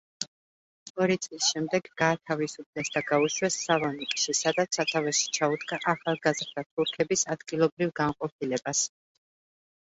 ორი წლის შემდეგ გაათავისუფლეს და გაუშვეს სალონიკში, სადაც სათავეში ჩაუდგა ახალგაზრდა თურქების ადგილობრივ განყოფილებას.